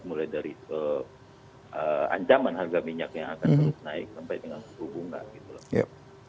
mulai dari ancaman harga minyak yang akan terus naik sampai dengan suku bunga gitu loh